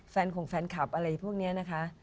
ของแฟนคลับอะไรพวกนี้นะคะ